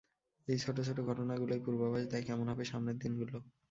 এই ছোট ছোট ঘটনা গুলোই পূর্বাভাস দেয় কেমন হবে সামনের দিনগুলো।